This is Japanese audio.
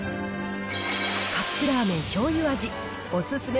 カップラーメンしょうゆ味、お勧め